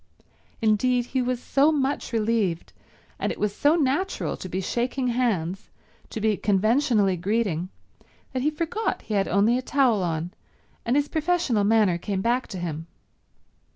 Indeed, he was so much relieved, and it was so natural to be shaking hands, to be conventionally greeting, that he forgot he had only a towel on and his professional manner came back to him.